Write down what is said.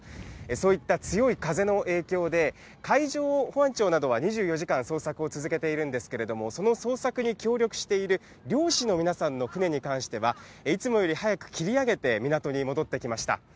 そういった強い風の影響で、海上保安庁などは２４時間捜索を続けているんですけれども、その捜索に協力している漁師の皆さんの船に関しては、いつもより早く切り上げて港に戻ってきました。